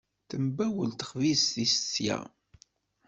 Tembawel texbizt-is sya.